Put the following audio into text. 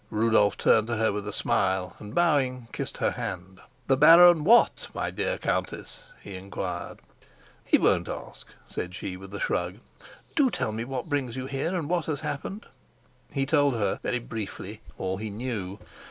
Rudolf turned to her with a smile, and, bowing, kissed her hand. "The baron what, my dear countess?" he inquired. "He won't ask," said she with a shrug. "Do tell me what brings you here, and what has happened." He told her very briefly all he knew.